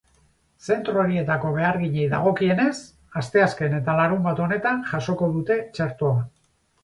Zentro horietako beharginei dagokienez, asteazken eta larunbat honetan jasoko dute txertoa.